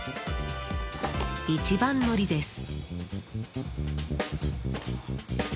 一番乗りです。